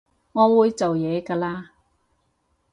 我會做嘢㗎喇